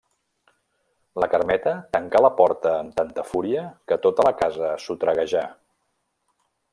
La Carmeta tancà la porta amb tanta fúria que tota la casa sotraguejà.